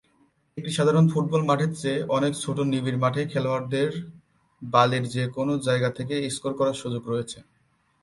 একটি সাধারণ ফুটবল মাঠের চেয়ে অনেক ছোট নিবিড় মাঠে খেলোয়াড়দের বালির যে কোনও জায়গা থেকে স্কোর করার সুযোগ রয়েছে।